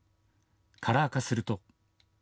カラー化すると。